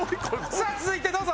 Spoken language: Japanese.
さあ続いてどうぞ！